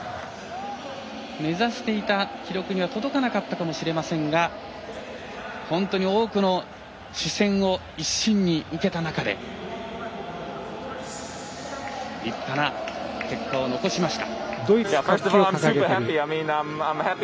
目指していた記録には届かなかったかもしれませんが本当に多くの視線を一身に受けた中で立派な結果を残しました。